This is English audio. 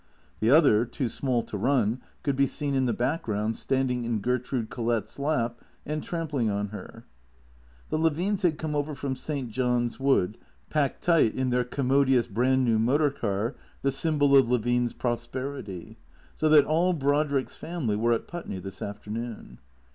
The other, too small to run, could be seen in the background, standing in Gertrude Collett's lap and trampling on her. The Levines had come over from St. John's Wood, packed 164 T H E C E E A T 0 R S 165 tight in their commodious brand new motor car, the symbol of Levine's prosperity. So that all Brodrick's family were at Put ney this afternoon.